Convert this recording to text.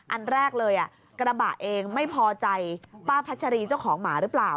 อันแรกเลยกระบะเองไม่พอใจป้าพัชรีเจ้าของหมาหรือเปล่า